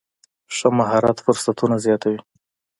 ښه مهارت فرصتونه زیاتوي.